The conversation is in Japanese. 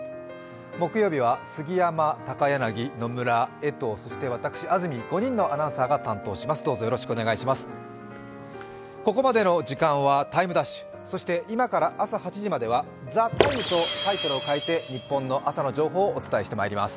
木曜日は杉山、高柳、野村、江藤、そして私、安住の５人のアナウンサーが担当します。